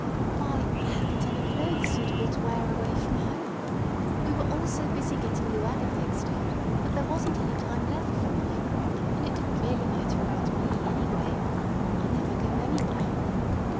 "Why, I haven't any clothes suitable to wear away from home. We were all so busy getting Luella fixed out that there wasn't any time left for mine, and it didn't really matter about me anyway. I never go anywhere."